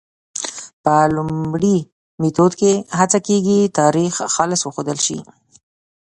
په لومړي میتود کې هڅه کېږي تاریخ خالص وښودل شي.